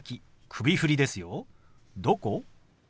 「どこ？」。